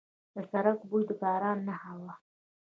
د سړک بوی د باران نښه وه.